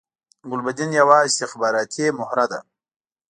ګلبدین یوه استخباراتی مهره ده